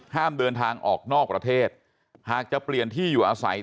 ห้ามเดินทางออกนอกประเทศหากจะเปลี่ยนที่อยู่อาศัย